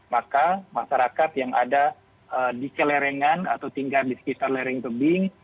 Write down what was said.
maka masyarakat yang ada di celerengan atau tinggal di sekitar lereng tebing